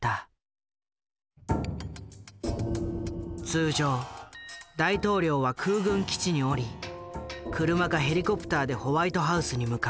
通常大統領は空軍基地に降り車かヘリコプターでホワイトハウスに向かう。